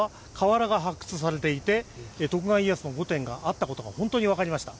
ここから瓦が発掘されていて徳川家康の御殿があったことが本当に分かりました。